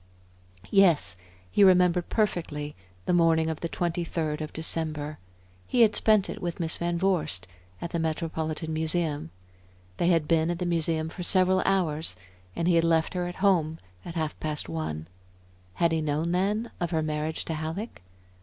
Yes, he remembered perfectly the morning of the twenty third of December. He had spent it with Miss Van Vorst at the Metropolitan Museum. They had been at the Museum for several hours, and he had left her at her home at half past one. Had he known then of her marriage to Halleck?